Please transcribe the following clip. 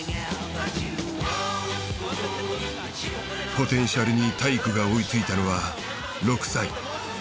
ポテンシャルに体躯が追いついたのは６歳。